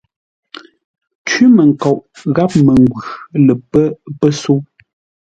Cwímənkoʼ gháp məngwʉ̂ lə pə́ pəsə̌u.